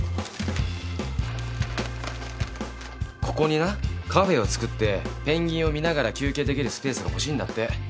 ここになカフェを造ってペンギンを見ながら休憩できるスペースが欲しいんだって。